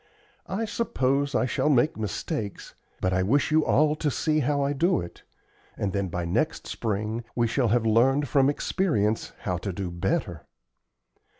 I suppose I shall make mistakes, but I wish you all to see how I do it, and then by next spring we shall have learned from experience how to do better.